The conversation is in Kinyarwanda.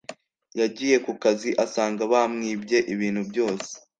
Yagiye kukazi asanga bamwibye ibintu byose